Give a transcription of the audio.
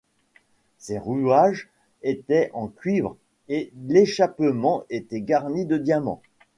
Ces rouages étaient en cuivre et l'échappement était garni de diamants.